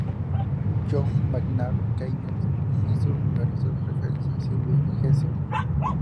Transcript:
John Maynard Keynes hizo numerosas referencias a Silvio Gesell.